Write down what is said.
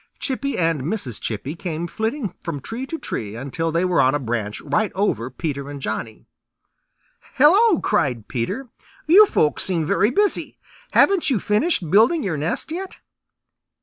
Chippy and Mrs. Chippy came flitting from tree to tree until they were on a branch right over Peter and Johnny. "Hello!" cried Peter. "You folks seem very busy. Haven't you finished building your nest yet?"